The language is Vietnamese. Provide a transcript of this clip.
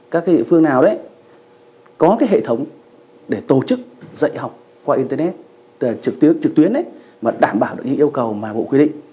các địa phương nào có hệ thống để tổ chức dạy học qua internet trực tuyến đảm bảo được những yêu cầu mà bộ quy định